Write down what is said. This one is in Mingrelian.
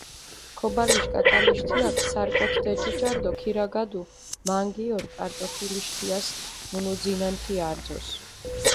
ქობალიშ კაკალიშ თიაქ სარკოთ დეჭიჭარჷ დო ქირაგადუ, მანგიორი კარტოფილიშ თიას მუნუძინანთია არძოს.